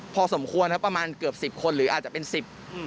พอสมควรครับประมาณเกือบสิบคนหรืออาจจะเป็นสิบอืม